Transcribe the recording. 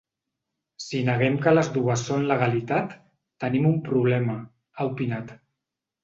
Si neguem que les dues són legalitat, tenim un problema, ha opinat.